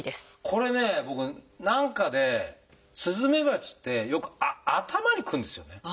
これね僕何かでスズメバチってよく頭に来るんですよね。